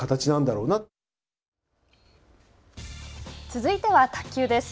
続いては卓球です。